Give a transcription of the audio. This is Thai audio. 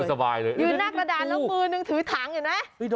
สบายเลยยืนหน้ากระดาษแล้วมือนึงถือถังเห็นไหม